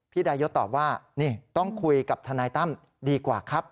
ดายศตอบว่านี่ต้องคุยกับทนายตั้มดีกว่าครับ